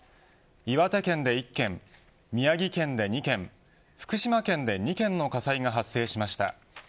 岩手県で１件宮城県で２件福島県で２件の火災が発生しました。